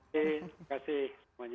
terima kasih semuanya